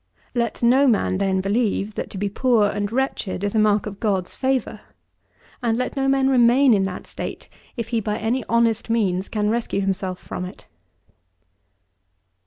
Let no man, then, believe that, to be poor and wretched is a mark of God's favour; and let no man remain in that state, if he, by any honest means, can rescue himself from it.